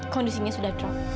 kondisinya sudah drop